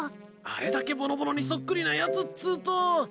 あれだけぼのぼのにそっくりなやつっつうと。